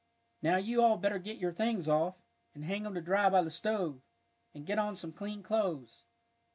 "Now, you all better get your things off, and hang 'em to dry by the stove, and get on some clean clothes."